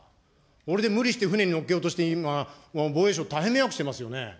これで無理して船にのっけようとして今、防衛省、大変迷惑してますよね。